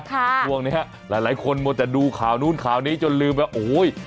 ทรวงนี้หลายคนโว้ยแต่ดูข่าวนู่นข่าวนี้จนลืมเนี่ย